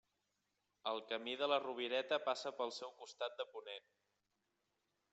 El Camí de la Rovireta passa pel seu costat de ponent.